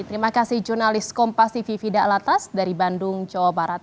terima kasih jurnalis kompas tv fida alatas dari bandung jawa barat